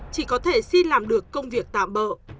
chỉ có thể xin làm được công việc tạm bợ